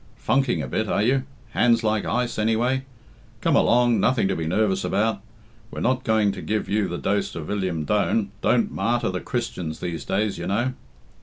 Funking a bit, are you? Hands like ice, anyway. Come along nothing to be nervous about we're not going to give you the dose of Illiam Dhone don't martyr the Christians these days, you know."